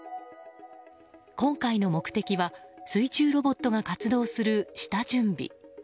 今回の目的は水中ロボットが活動する下準備。